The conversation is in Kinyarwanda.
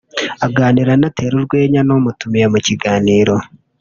aganira anatera urwenya n’umutumire mu kiganiro